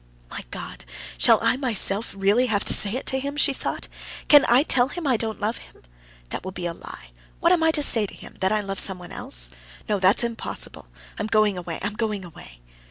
"My God! shall I myself really have to say it to him?" she thought. "Can I tell him I don't love him? That will be a lie. What am I to say to him? That I love someone else? No, that's impossible. I'm going away, I'm going away."